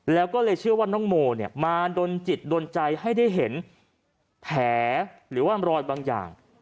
แล้วก็เลยเชื่อว่าน้องโมมาดนจิตโดนใจให้ได้เห็นแผลหรือว่ารอยบางอย่าง